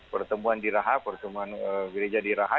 pertemuan diraha pertemuan gereja diraha